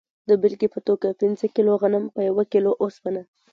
د بیلګې په توګه پنځه کیلو غنم په یوه کیلو اوسپنه.